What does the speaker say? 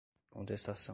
contestação